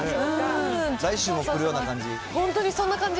来週も来るような感じ？